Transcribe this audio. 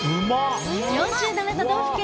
４７都道府県